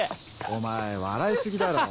お前笑い過ぎだろ。